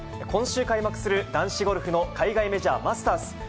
今週開幕する男子ゴルフの海外メジャー、マスターズ。